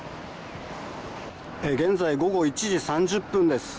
現在午後１時３０分です。